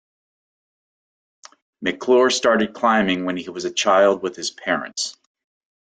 McClure started climbing when he was a child with his parents.